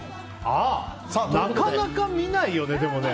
なかなか見ないよね、でもね。